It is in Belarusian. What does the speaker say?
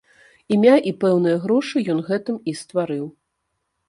Імя і пэўныя грошы ён гэтым і стварыў.